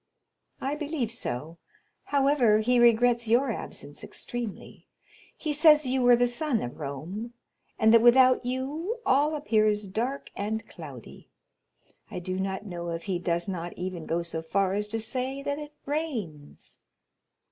"I believe so; however, he regrets your absence extremely. He says you were the sun of Rome, and that without you all appears dark and cloudy; I do not know if he does not even go so far as to say that it rains."